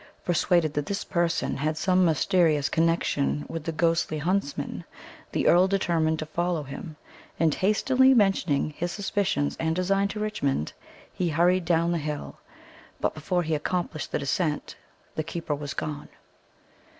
Persuaded that this person had some mysterious connection with the ghostly huntsman, the earl determined to follow him, and hastily mentioning his suspicions and design to Richmond, he hurried down the hill. But before he accomplished the descent, the keeper was gone.